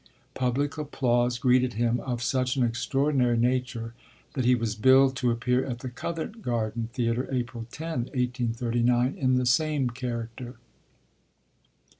Public applause greeted him of such an extraordinary nature, that he was billed to appear at the Covent Garden Theatre April 10, 1839, in the same character.